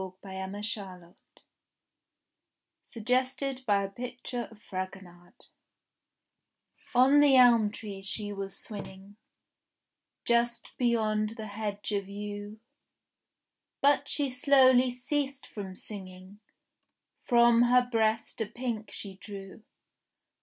XXIV THE QUARREL SUGGESTED BY A PICTURE OF FRAGONARD ON the elm tree she was swinging, Just beyond the hedge of yew; But she slowly ceased from singing, From her breast a pink she drew.